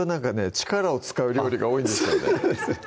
力を使う料理が多いんですよね